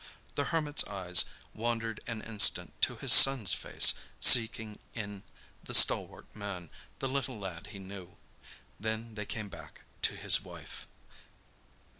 The hermit's eyes wandered an instant to his son's face, seeking in the stalwart man the little lad he knew. Then they came back to his wife.